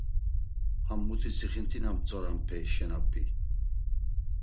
Ham muti sixint̆i na ntzoreype şena p̌i.